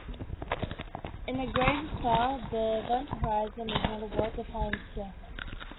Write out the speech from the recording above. In a gravastar, the event horizon is not a well-defined surface.